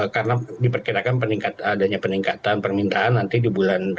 karena diperkirakan adanya peningkatan permintaan nanti di bulan ramadan seperti itu